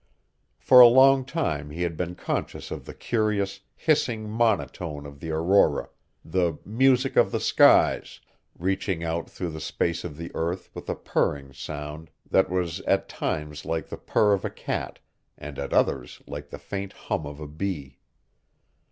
For a long time he had been conscious of the curious, hissing monotone of the Aurora, the "music of the skies," reaching out through the space of the earth with a purring sound that was at times like the purr of a cat and at others like the faint hum of a bee.